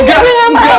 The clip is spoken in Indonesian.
nggak gue gak mau